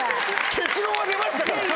結論は出ましたから。